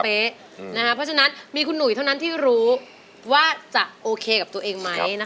เพราะฉะนั้นมีคุณหนุ่ยเท่านั้นที่รู้ว่าจะโอเคกับตัวเองไหม